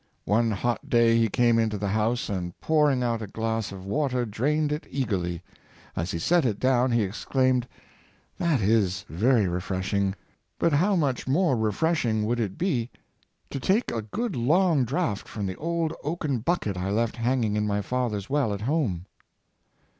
One hot day he came into the house and pouring out a glass of water, drained it eagerly. As he set it down he ex claimed, " That is very refreshing, but how much more refreshing would it be to take a good long draught from the old oaken bucket I left hanging in my father's well at home!"